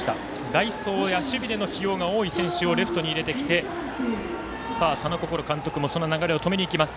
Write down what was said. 代走や守備での起用が多い選手をレフトに入れてきて佐野心監督もその流れを止めにいきます。